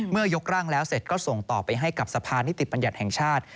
เมื่อยกร่างแล้วเสร็จก็ส่งต่อไปให้กับสะพานที่ติดปัญญาณแห่งชาติ